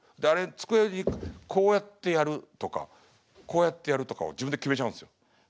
机にこうやってやるとかこうやってやるとかを自分で決めちゃうんですよ。